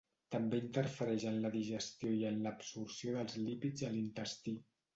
També interfereix en la digestió i en l'absorció dels lípids a l'intestí.